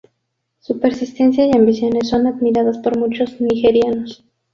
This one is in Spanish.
Su persistencia y ambiciones son admiradas por muchos nigerianos.